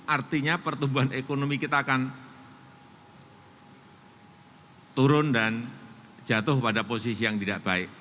artinya pertumbuhan ekonomi kita akan turun dan jatuh pada posisi yang tidak baik